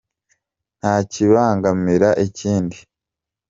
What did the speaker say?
nta kibangamira ikindi.